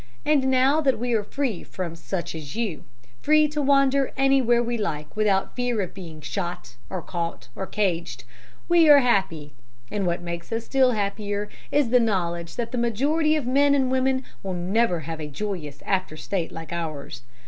And now that we are free from such as you free to wander anywhere we like without fear of being shot, or caught and caged we are happy. And what makes us still happier is the knowledge that the majority of men and women will never have a joyous after state like ours.